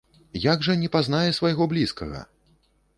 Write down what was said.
Як жа не пазнае свайго блізкага!